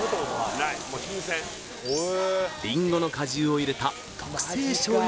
りんごの果汁を入れた特製しょうゆ